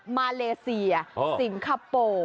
มาเลเซียสิงคโปร์